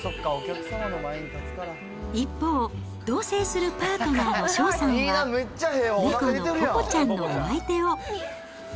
一方、同せいするパートナーの翔さんは、猫のポポちゃんのお相手を。